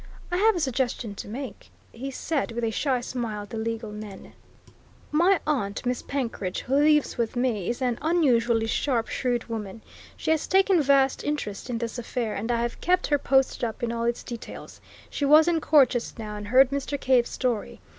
"I have a suggestion to make," he said with a shy smile at the legal men. "My aunt, Miss Penkridge, who lives with me, is an unusually sharp, shrewd woman. She has taken vast interest in this affair, and I have kept her posted up in all its details. She was in court just now and heard Mr. Cave's story.